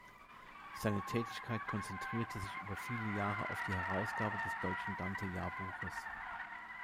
Seine Tätigkeit konzentrierte sich über viele Jahre auf die Herausgabe des Deutschen Dante-Jahrbuches.